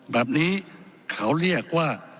แบบนี้เขาเรียกว่า